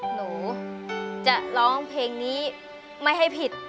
หนูจะร้องเพลงนี้ไม่ให้ผิด